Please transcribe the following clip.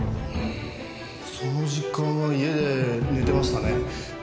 その時間は家で寝てましたね。